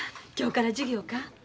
今日から授業か？